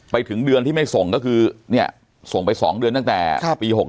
ไปถึงเดือนที่ไม่ส่งก็คือส่งไป๒เดือนตั้งแต่ปี๖๖